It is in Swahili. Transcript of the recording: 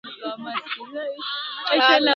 kama chombo cha kutoa masomo ya jioni kwa